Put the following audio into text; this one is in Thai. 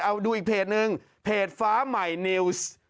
เอาดูอีกเพจนึงเพจฟ้าใหม่นิวส์